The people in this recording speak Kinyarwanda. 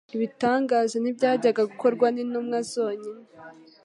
Ibitangaza ntibyajyaga gukorwa n'intumwa zonyine